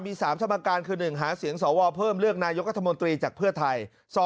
มี๓สมการคือ๑หาเสียงสวเพิ่มเลือกนายกรัฐมนตรีจากเพื่อไทย